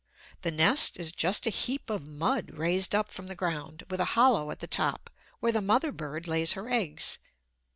The nest is just a heap of mud raised up from the ground, with a hollow at the top where the mother bird lays her eggs.